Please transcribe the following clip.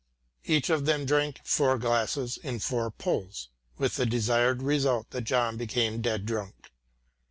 Each of them drank four glasses in four pulls, with the desired result that John became dead drunk.